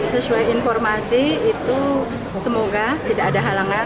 sesuai informasi itu semoga tidak ada halangan